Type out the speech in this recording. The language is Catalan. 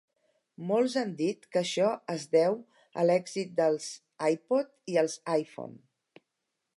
Molts han dit que això es deu a l'èxit dels iPod i els iPhone.